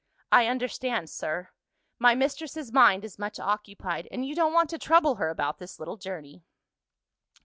"I understand, sir: my mistress's mind is much occupied and you don't want to trouble her about this little journey."